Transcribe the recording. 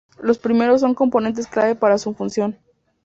Los primeros son componentes clave para su función.